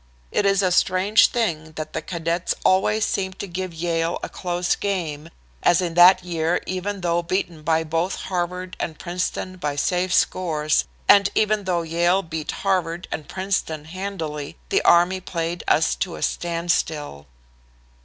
It is a strange thing that the Cadets always seem to give Yale a close game, as in that year even though beaten by both Harvard and Princeton by safe scores, and even though Yale beat Harvard and Princeton handily, the Army played us to a standstill.